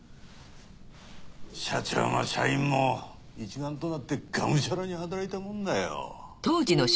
社長も社員も一丸となってがむしゃらに働いたもんだよ。